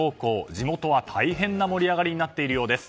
地元は大変な盛り上がりになっているようです。